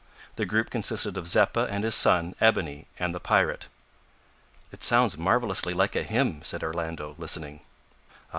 The group consisted of Zeppa and his son, Ebony and the pirate. "It sounds marvellously like a hymn," said Orlando, listening. "Ah!